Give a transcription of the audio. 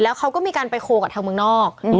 เขาก็มีการไปโคลกับทางเมืองนอก